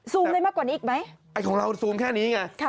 ได้มากกว่านี้อีกไหมไอ้ของเราซูมแค่นี้ไง